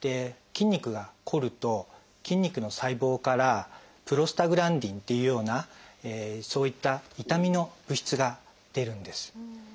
筋肉がこると筋肉の細胞からプロスタグランジンっていうようなそういった痛みの物質が出るんです。